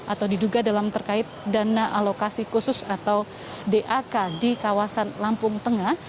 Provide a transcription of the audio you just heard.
atau diduga dalam terkait dana alokasi khusus atau dak di kawasan lampung tengah